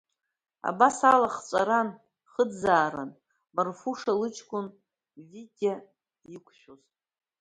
Абас ала, хҵәаран, хыӡӡааран, Марфуша лыҷкәын, Витиа иқәшәоз.